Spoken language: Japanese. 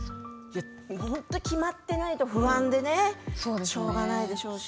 本当に決まっていないと不安でねしょうがないでしょうし。